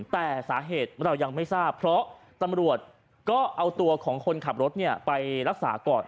แต่สาเหตุเรายังไม่ทราบเพราะตำรวจก็เอาตัวของคนขับรถไปรักษาก่อน